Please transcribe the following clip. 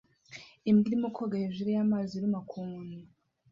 Imbwa irimo koga hejuru y'amazi iruma ku nkoni